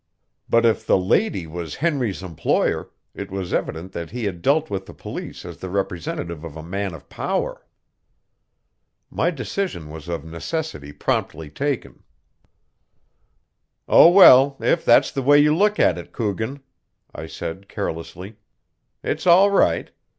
But if the lady was Henry's employer, it was evident that he had dealt with the police as the representative of a man of power. My decision was of necessity promptly taken. "Oh, well, if that's the way you look at it, Coogan," I said carelessly, "it's all right.